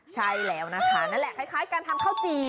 ใช่แล้วนะคะนั่นแหละคล้ายการทำข้าวจี่